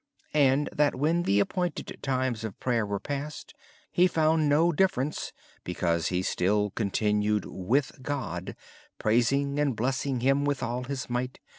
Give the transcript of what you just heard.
When the appointed times of prayer were past, he found no difference, because he still continued with God, praising and blessing Him with all his might.